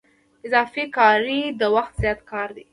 اضافه کاري د وخت زیات کار دی